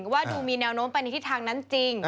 ว่าดูมีแนวโน้มไปในทิศทางนั้นจริง